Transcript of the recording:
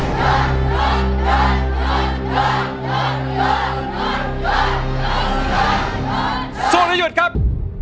สู้แล้วยุดครับ